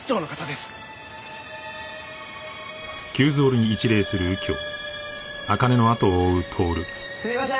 すみません。